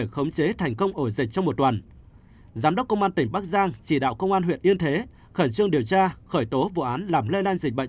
khẩn trương điều tra khởi tố vụ án làm lây lan dịch bệnh